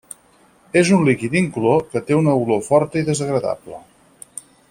És un líquid incolor que té una olor forta i desagradable.